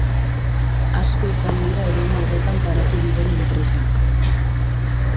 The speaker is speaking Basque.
Asko izan dira eremu horretan paratu diren enpresak.